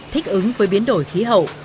thích ứng với biến đổi khí hậu